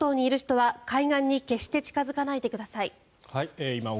伊豆諸島にいる人は海岸に決して近付かないでください。